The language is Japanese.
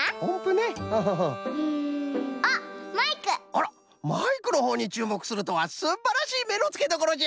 あらマイクのほうにちゅうもくするとはすんばらしいめのつけどころじゃ！